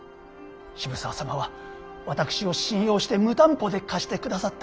渋沢様は私を信用して無担保で貸してくださった。